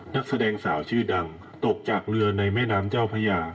นักแสดงสาวชื่อดังตกจากเรือในแม่น้ำเจ้าพระยา